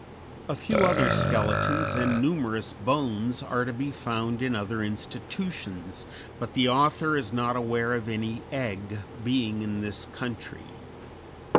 A few _other skeletons and numerous bones are to be found in other institutions, but the author is not aware of any egg being in this country.